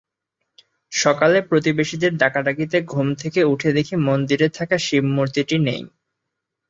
সকালে প্রতিবেশীদের ডাকাডাকিতে ঘুম থেকে ওঠে দেখি মন্দিরে থাকা শিবমূর্তিটি নেই।